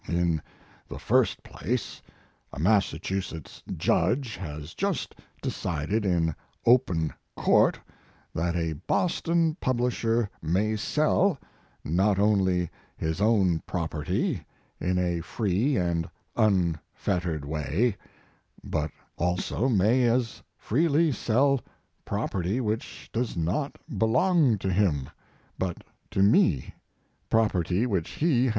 In the first place* a Massachusetts judge has just decided in open Court that a Boston publisher may sell, not only his own property in a free and unfettered way, but also may as freely sell property which does not belong to him, but to me property which he His Life and Work.